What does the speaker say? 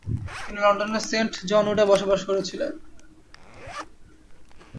তিনি লন্ডনের saint John উডে বসবাস করছিলেন।